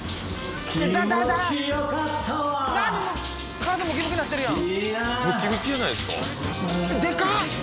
体ムキムキになってるやん。